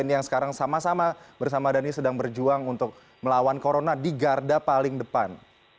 yang sekarang sama sama bersama dhani sedang berjuang untuk melawan corona di garda paling depan